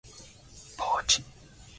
ポーチ